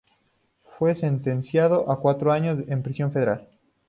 Fue sentenciado a cuatro años en prisión federal.